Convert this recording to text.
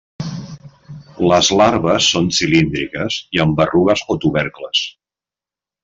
Les larves són cilíndriques i amb berrugues o tubercles.